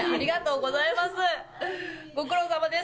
ご苦労さまです。